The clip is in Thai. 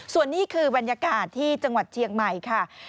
ส่วนนี้คือบรรยากาศที่จต์เฉียงใหม่ครับ